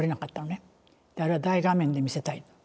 あれは大画面で見せたい。